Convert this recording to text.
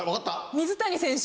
水谷選手！